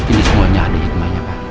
ini semuanya ada hikmahnya pak